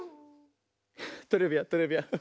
トレビアントレビアン。